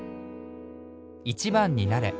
１番になれ